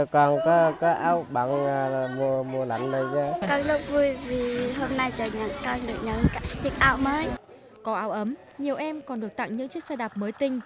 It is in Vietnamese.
có áo ấm nhiều em còn được tặng những chiếc xe đạp mới tinh